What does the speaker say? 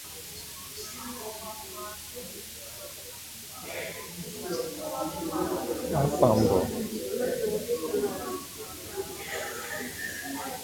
E nyere ya ogo nke abụọ na Team All-Big Ten maka agba nke ime ụlọ.